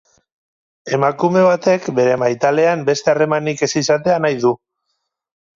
Emakume batek bere maitalean beste harremanik ez izatea nahi du.